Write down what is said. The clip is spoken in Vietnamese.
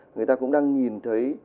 người ta cũng đang nhìn thấy